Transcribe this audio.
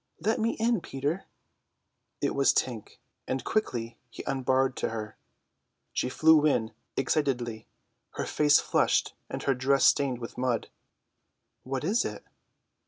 "Let me in, Peter." It was Tink, and quickly he unbarred to her. She flew in excitedly, her face flushed and her dress stained with mud. "What is it?"